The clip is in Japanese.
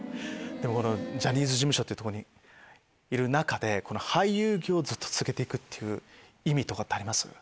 ジャニーズ事務所っていうとこにいる中で俳優業をずっと続けてく意味とかってあります？